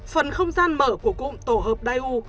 phần không gian mở của cụm tổ hợp dai u